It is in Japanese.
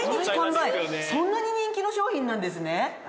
そんなに人気の商品なんですね。